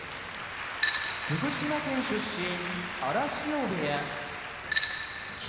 福島県出身荒汐部屋霧